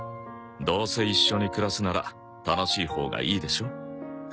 どうせ一緒に暮らすなら楽しいほうがいいでしょ。